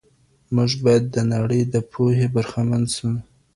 موږ باید د نړۍ د پوهې برخمن سو.